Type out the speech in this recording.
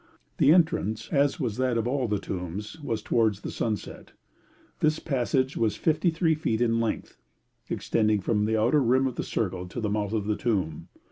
The entrance, as was that of all the tombs, was towards the sunset. This passage was 53 feet in length, extending from the outer rim of the circle to the mouth of the tomb.